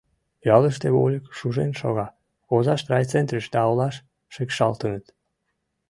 Ялыште вольык шужен шога, озашт райцентрыш да олаш шикшалтыныт.